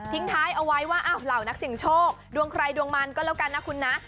ท้ายเอาไว้ว่าอ้าวเหล่านักเสียงโชคดวงใครดวงมันก็แล้วกันนะคุณนะ